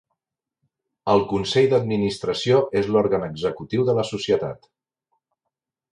El consell d'administració és l'òrgan executiu de la societat.